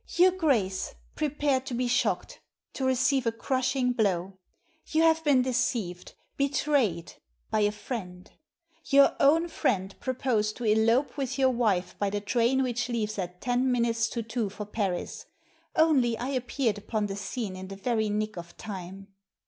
"Your Grace, prepare to be shocked — to receive a crushing blow. You have been deceived — betrayed — by a friend. Your own friend proposed to elope with your wife by the train which leaves at ten Digitized by VjOOQIC 320 THE SEEN AND THE UNSEEN minutes to two for Paris, only I appeared upon the scene in the very nick of time."